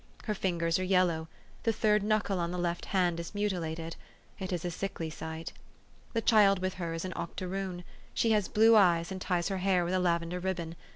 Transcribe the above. Her fingers are yellow ; the third knuckle on the left hand is mutilated. It is a sickly sight. The child with her is an octoroon. She has blue eyes, and ties her hair with a lavender ribbon.